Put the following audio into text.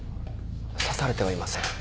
刺されてはいません。